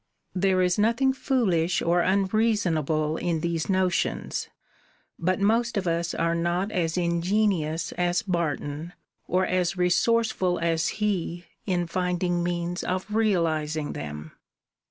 There is nothing foolish or unreasonable in these notions; but most of us are not as ingenious as Barton, or as resourceful as he in finding means of realizing them.